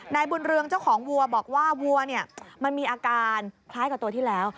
นายบุญเรืองเจ้าของวัวบอกว่าวัวเนี่ยมันมีอาการคล้ายกับตัวที่แล้ว